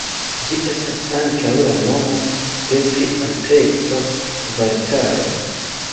Ĝi estas ankaŭ la nomo de pli ampleksa kvartalo.